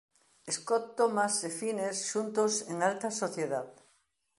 Scott Thomas e Fiennes, xuntos en 'Alta sociedad'